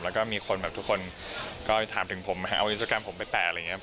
แล้วก็มีคนแบบทุกคนก็มาถามถึงผมมาเอาพยุตรการผมไปแตะ